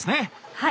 はい。